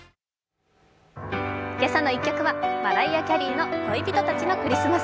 「けさの１曲」はマライア・キャリーの「恋人たちのクリスマス」。